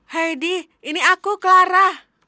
heidi ini aku clara